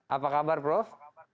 apa kabar prof